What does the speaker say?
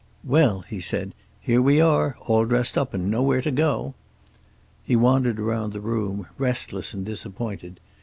"Well," he said, "here we are, all dressed up and nowhere to go!" He wandered around the room, restless and disappointed.